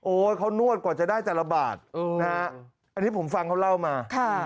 เขานวดกว่าจะได้แต่ละบาทนะฮะอันนี้ผมฟังเขาเล่ามา